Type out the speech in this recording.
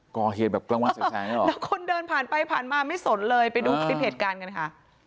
กล้องวันแสกหรอแล้วคนเดินผ่านไปผ่านมาไม่สนเลยไปดูคลิปเหตุการณ์กันค่ะ